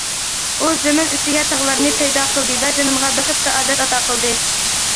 ئۇ زېمىن ئۈستىگە تاغلارنى پەيدا قىلدى ۋە زېمىنغا بەخت- سائادەت ئاتا قىلدى.